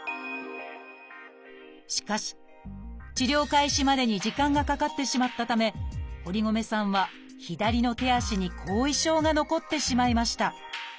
しかし治療開始までに時間がかかってしまったため堀米さんは左の手足に後遺症が残ってしまいました。